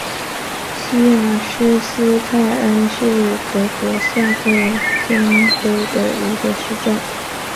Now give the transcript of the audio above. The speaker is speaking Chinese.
希尔施斯泰因是德国萨克森州的一个市镇。